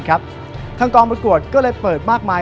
ครับทางกองประกวดก็ได้เปิดมากมาย